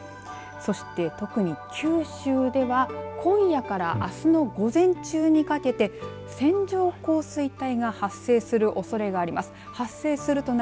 そして、特に九州では今夜からあすの午前中にかけて線状降水帯が発生するおそれがあります。